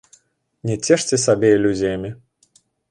Не цешце сабе ілюзіямі.